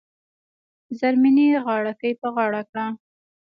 زرمینې غاړه ګۍ په غاړه کړه .